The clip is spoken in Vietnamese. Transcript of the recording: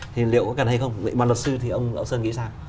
thì liệu có cần hay không vậy mà luật sư thì ông võ sơn nghĩ sao